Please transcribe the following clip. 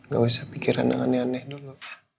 gak usah pikiran aneh aneh dulu